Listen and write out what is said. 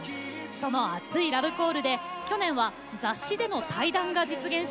その熱いラブコールで去年は雑誌での対談が実現しました。